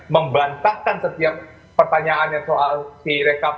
membantahkan setiap pertanyaannya soal si rekapi